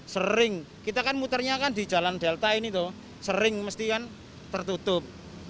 sering kita kan muternya kan di jalan delta ini tuh sering mestikan tertutup